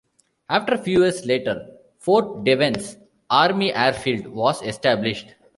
A few years later, Fort Devens Army Airfield was established.